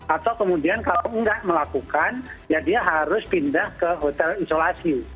atau kemudian kalau enggak melakukan ya dia harus pindah ke hotel isolasi